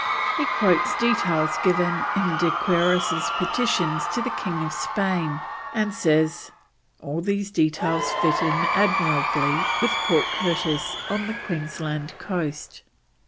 He quotes details given in De Quiros's petitions to the King of Spain, and says: "All these details fit in admirably with Port Curtis on the Queensland coast."